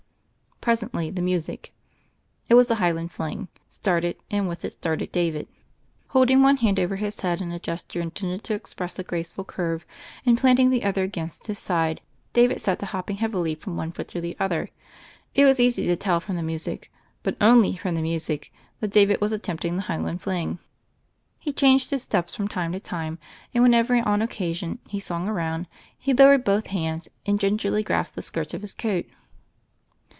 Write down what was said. Presently, the music, it was the Highland Fling, started, and with it started David. Holding one hand over his head in a gesture intended to express a grace ful curve, and planting the other against his side, David set to hopping heavily from one foot to the other. It was easy to tell from the music, but only from the music, that David was attemi^ting the Highland Fling. He changed his steps from time to time, and, whenever, on occasion, he swung around, he lowered both hands and gingerly grasped the skirts of his coat.